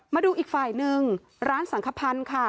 มาดูอีกฝ่ายนึงร้านสังคพรรณค่ะ